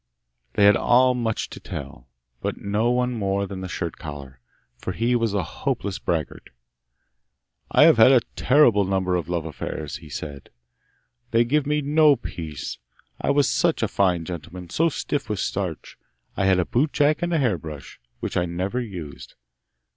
They had all much to tell, but no one more than the shirt collar, for he was a hopeless braggart. 'I have had a terrible number of love affairs!' he said. 'They give me no peace. I was such a fine gentleman, so stiff with starch! I had a boot jack and a hair brush, which I never used!